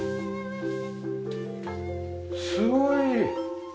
すごい！